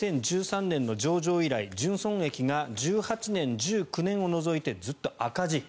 ２０１３年の上場以来純損益が１８年、１９年を除いてずっと赤字。